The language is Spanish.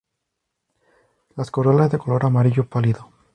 Las corolas de color amarillo pálido.